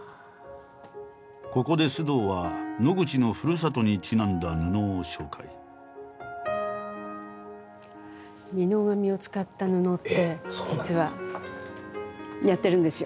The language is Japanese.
ここで須藤は野口のふるさとにちなんだ布を紹介。って実はやってるんですよ。